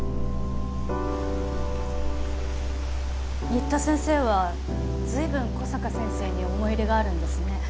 新田先生はずいぶん小坂先生に思い入れがあるんですね。